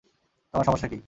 তোমার সমস্যা কী?